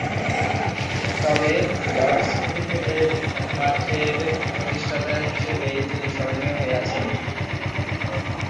তবে, Lord's cricket মাঠের প্রতিষ্ঠাতা হিসেবেই তিনি স্মরণীয় হয়ে আছেন।